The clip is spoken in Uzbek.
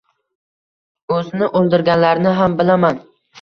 Oʻzini oʻldirganlarni ham bilaman